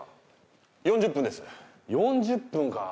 ４０分か。